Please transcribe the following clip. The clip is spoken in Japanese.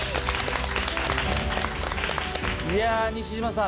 いや西島さん